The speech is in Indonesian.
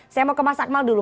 saya mau ke mas akmal dulu